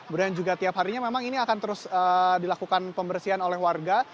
kemudian juga tiap harinya memang ini akan terus dilakukan pembersihan oleh warga